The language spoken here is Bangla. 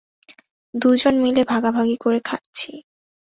দুজন মিলে ভাগাভাগি করে খাচ্ছি।